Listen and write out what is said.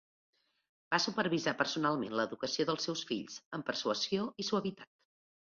Va supervisar personalment l'educació dels seus fills, amb persuasió i suavitat.